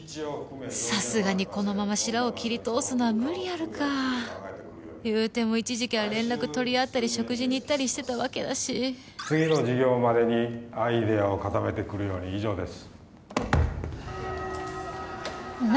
さすがにこのままシラを切り通すのは無理あるか言うても一時期は連絡取り合ったり食事に行ったりしてたわけだし次の授業までにアイデアを固めてくるように以上です何？